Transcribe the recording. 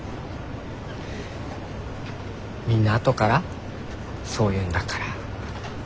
みんな後からそう言うんだから。